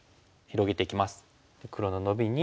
黒のノビに。